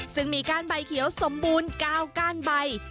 ซึ่งมีก้านใบเขียวสมบูรณ์๙ก้านใบ